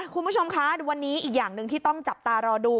คุณผู้ชมคะวันนี้อีกอย่างหนึ่งที่ต้องจับตารอดู